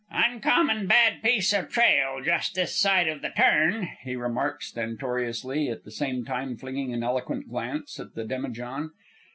"Uncommon bad piece of trail just this side of the turn," he remarked stentoriously, at the same time flinging an eloquent glance at the demijohn.